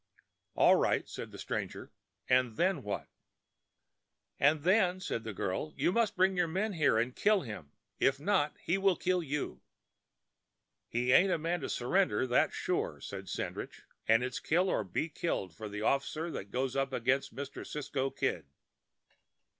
"All right," said the stranger. "And then what?" "And then," said the girl, "you must bring your men here and kill him. If not, he will kill you." "He ain't a man to surrender, that's sure," said Sandridge. "It's kill or be killed for the officer that goes up against Mr. Cisco Kid."